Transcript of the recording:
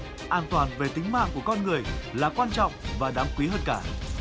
an toàn về tính mạng của con người là quan trọng và đáng quý hơn cả